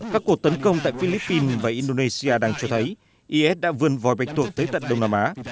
các cuộc tấn công tại philippines và indonesia đang cho thấy is đã vươn vòi bạch tuộc tới tận đông nam á